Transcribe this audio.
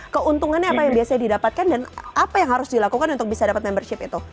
keuntungannya apa yang biasanya didapatkan dan apa yang harus dilakukan untuk bisa dapat membership itu